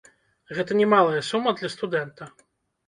Гэта немалая сума для студэнта.